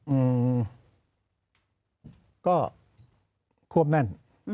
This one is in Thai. อืมก็ควบแน่น